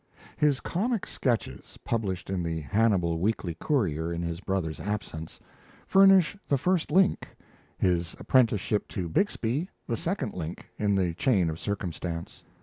His comic sketches, published in the 'Hannibal Weekly Courier' in his brother's absence, furnish the first link, his apprenticeship to Bixby the second link in the chain of circumstance.